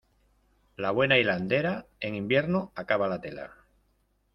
La buena hilandera, en invierno acaba la tela.